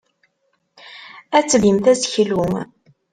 Ad tebbimt aseklu.